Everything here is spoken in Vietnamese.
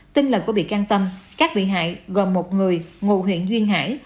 tin là của bị can tâm các bị hại gồm một người ngụ huyện duyên hải